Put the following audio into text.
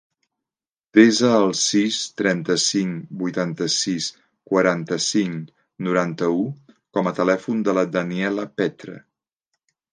Desa el sis, trenta-cinc, vuitanta-sis, quaranta-cinc, noranta-u com a telèfon de la Daniella Petre.